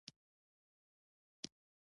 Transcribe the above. د پلیو ځواکونو ته د تیارسئ امر وکړ.